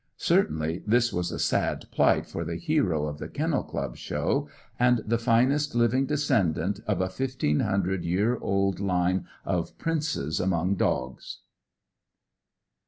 Certainly this was a sad plight for the hero of the Kennel Club Show, and the finest living descendant of a fifteen hundred year old line of princes among dogs.